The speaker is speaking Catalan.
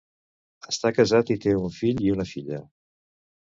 Està casat i té un fill i una filla.